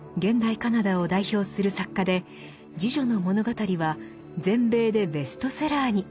カナダを代表する作家で「侍女の物語」は全米でベストセラーに。